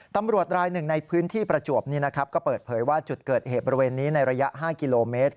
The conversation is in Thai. ตำรวจรายหนึ่งในพื้นที่ประจวบก็เปิดเผยว่าจุดเกิดเหตุบริเวณนี้ในระยะ๕กิโลเมตร